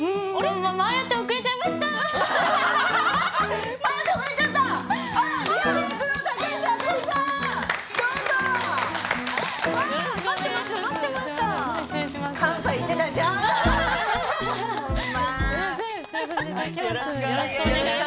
迷って遅れちゃいました。